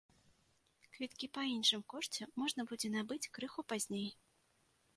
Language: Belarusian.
Квіткі па іншым кошце можна будзе набыць крыху пазней.